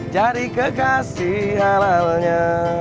jadi kekasih halalnya